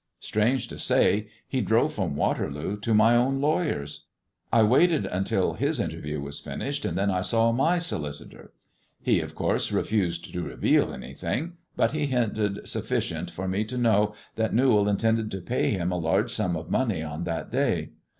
Strange to say, he drove from Waterloo to my own lawyers. I waited till his interview was finished, and then I saw my solicitor. He of course refused to reveal anything, but he hinted sufficient for me to know that Newall intended to pay him a large sum of money on that day.